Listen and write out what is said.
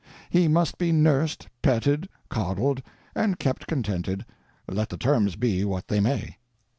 He must be nursed, petted, coddled, and kept contented, let the terms be what they may.